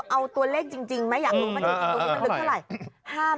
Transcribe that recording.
ให้จู๋เล่นจริงมาอยากรู้ไม่รู้มันหรือไหน